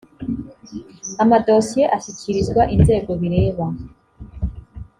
amadosiye ashyikirizwa inzego bireba